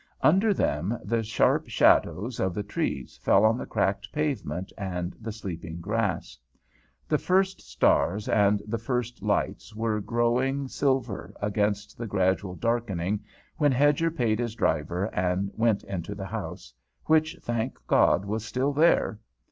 Under them the sharp shadows of the trees fell on the cracked pavement and the sleeping grass. The first stars and the first lights were growing silver against the gradual darkening, when Hedger paid his driver and went into the house, which, thank God, was still there!